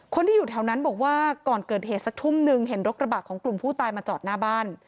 คนที่อยู่แถวนั้นบอกว่าก่อนเกิดเหตุก็เห็นรกระบากของกลุ่มภูตายจอดหน้าบ้าน